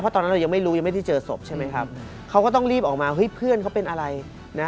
ตอนนั้นเรายังไม่รู้ยังไม่ได้เจอศพใช่ไหมครับเขาก็ต้องรีบออกมาเฮ้ยเพื่อนเขาเป็นอะไรนะ